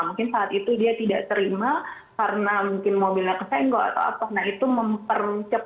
mungkin saat itu dia tidak terima karena mungkin mobilnya kesenggol atau apa